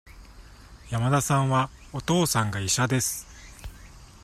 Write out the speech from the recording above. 山田さんは、お父さんが医者です。